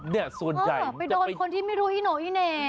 เนี่ยส่วนใหญ่ไปโดนคนที่ไม่รู้อีโน่อีเหน่